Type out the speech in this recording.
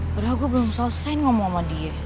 padahal gue belum selesain ngomong sama dia